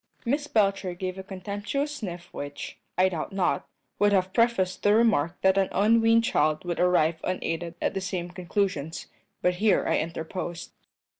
Miss Belcher gave a contemptuous sniff which, I doubt not, would have prefaced the remark that an unweaned child would arrive unaided at the same conclusions; but here I interposed.